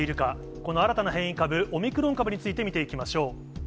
この新たな変異株、オミクロン株について見ていきましょう。